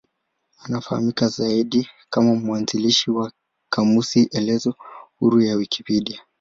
Anafahamika zaidi kama mwanzilishi wa kamusi elezo huru ya Wikipedia.